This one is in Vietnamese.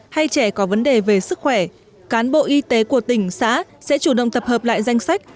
hay trẻ có vấn đề về sức khỏe cán bộ y tế của tỉnh xã sẽ chủ động tập hợp lại danh sách